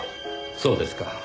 そうですか。